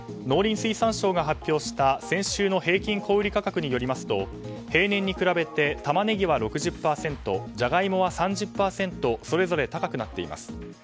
農林水産省が発表した先週の平均小売価格によりますと平年に比べてタマネギは６０％ジャガイモは３０％それぞれ高くなっています。